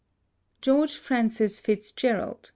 George Francis Fitzgerald (b.